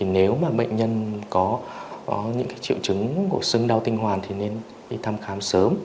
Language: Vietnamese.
nếu mà bệnh nhân có những triệu chứng của sưng đau tinh hoàn thì nên đi thăm khám sớm